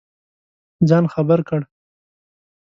ځان خبر کړ.